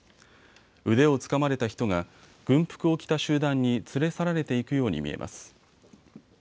腕をつかまれた人が軍服を着た集団に連れ去られていくように見えます。